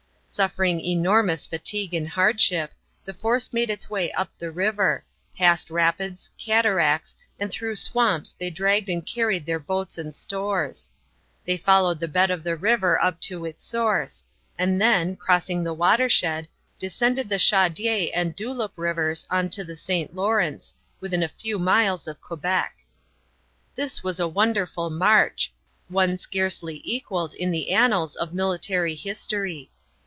Suffering enormous fatigue and hardship, the force made its way up the river; past rapids, cataracts, and through swamps they dragged and carried their boats and stores. They followed the bed of the river up to its source, and then, crossing the watershed, descended the Chaudière and Duloup rivers on to the St. Lawrence, within a few miles of Quebec. This was a wonderful march one scarcely equaled in the annals of military history.